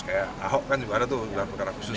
kayak ahok kan juga ada tuh gelar perkara khusus